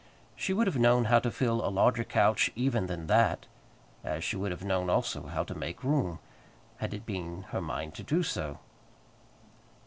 She would have known how to fill a larger couch even than that, as she would have known, also, how to make room, had it been her mind to do so.